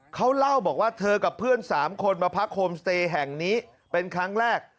เขาเล่าบอกว่าเธอกับเพื่อน๓คนมาพักโฮมสเตย์แห่งนี้เป็นครั้งแรก